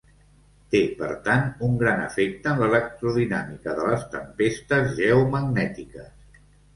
Té, per tant, un gran efecte en l'electrodinàmica de les tempestes geomagnètiques.